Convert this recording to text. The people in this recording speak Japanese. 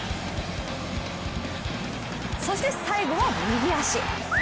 そして、最後は右足！